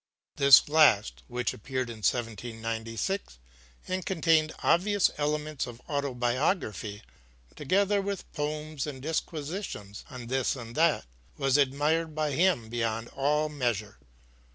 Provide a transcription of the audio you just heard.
This last, which appeared in 1796 and contained obvious elements of autobiography, together with poems and disquisitions on this and that, was admired by him beyond all measure.